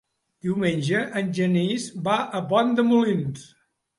Diumenge en Genís va a Pont de Molins.